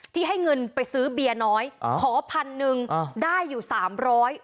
ที่ให้เงินไปซื้อเบียร์น้อยอ่าขอพันหนึ่งอ่าได้อยู่สามร้อย